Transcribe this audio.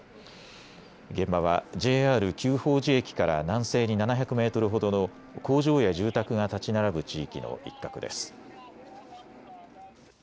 現場はＪＲ久宝寺駅から南西に７００メートルほどの工場や住宅が建ち並ぶ地域の一角です。